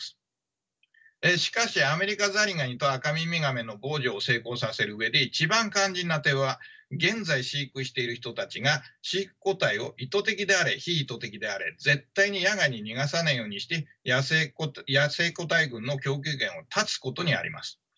しかしアメリカザリガニとアカミミガメの防除を成功させる上で一番肝心な点は現在飼育している人たちが飼育個体を意図的であれ非意図的であれ絶対に野外に逃がさないようにして野生個体群の供給源を断つことにあります。